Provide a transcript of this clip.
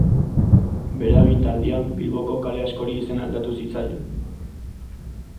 Bere agintaldian Bilboko kale askori izena aldatu zitzaien.